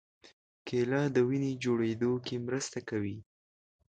کېله د وینې جوړېدو کې مرسته کوي.